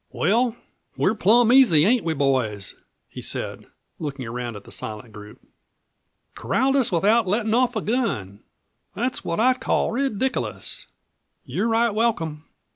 "Well, we're plum easy, ain't we boys?" he said, looking around at the silent group. "Corraled us without lettin' off a gun. That's what I'd call re diculous. You're right welcome.